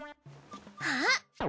あっ。